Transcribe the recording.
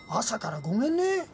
「朝からごめんね」